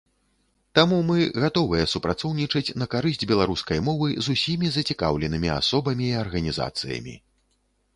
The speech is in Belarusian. Таму мы гатовыя супрацоўнічаць на карысць беларускай мовы з усімі зацікаўленымі асобамі і арганізацыямі.